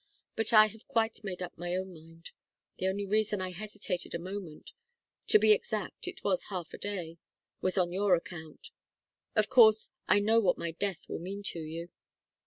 But I have quite made up my own mind. The only reason I hesitated a moment to be exact, it was half a day was on your account. Of course I know what my death will mean to you."